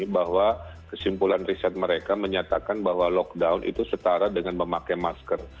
bahwa kesimpulan riset mereka menyatakan bahwa lockdown itu setara dengan memakai masker